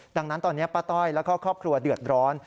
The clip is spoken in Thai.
ดังนั้นตอนนี้ป้าต้อยแล้วก็ครอบครัวเดือดร้อน